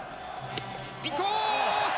インコース！